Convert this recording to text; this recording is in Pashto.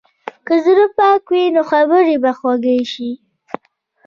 که زړه پاک وي، نو خبرې به خوږې شي.